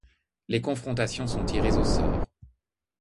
Les confrontations sont tirées au sort.